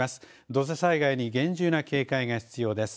土砂災害に厳重な警戒が必要です。